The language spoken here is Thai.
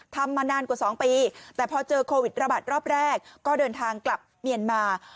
มานานกว่า๒ปีแต่พอเจอโควิดระบาดรอบแรกก็เดินทางกลับเมียนมา